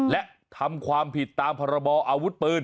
และทำความผิดตามพรบออาวุธปืน